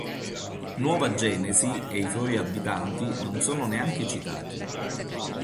Nuova Genesi e i suoi abitanti non sono neanche citati.